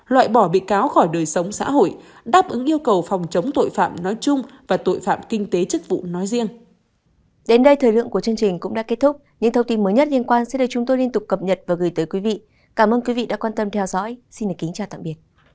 loại bỏ bị cáo khỏi đời sống xã hội đáp ứng yêu cầu phòng chống tội phạm nói chung và tội phạm kinh tế chức vụ nói riêng